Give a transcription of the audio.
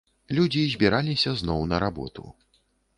Людзі збіраліся зноў на работу.